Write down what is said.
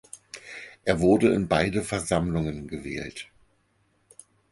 Er wurde in beide Versammlungen gewählt.